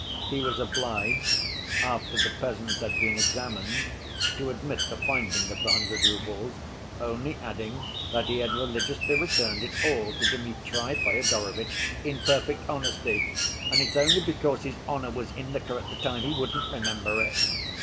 He was obliged, after the peasants had been examined, to admit the finding of the hundred roubles, only adding that he had religiously returned it all to Dmitri Fyodorovitch "in perfect honesty, and it's only because his honor was in liquor at the time, he wouldn't remember it."